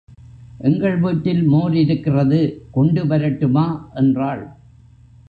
எங்கள் வீட்டில் மோர் இருக்கிறது கொண்டு வரட்டுமா என்றாள்.